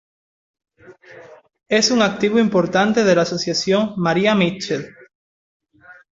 Es un activo importante de la Asociación Maria Mitchell.